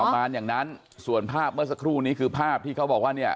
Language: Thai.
ประมาณอย่างนั้นส่วนภาพเมื่อสักครู่นี้คือภาพที่เขาบอกว่าเนี่ย